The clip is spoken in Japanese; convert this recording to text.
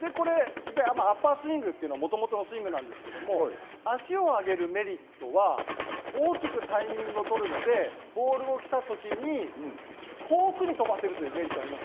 アッパースイングっていうのがもともとのスイングですけど、足をあげるメリットは大きくタイミングを取るので、ボールが来た時に遠くに飛ばせるメリットがあります。